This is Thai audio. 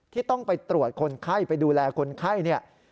ที่ต้องไปตรวจคนไข้ไปดูแลคนไข้เนี่ย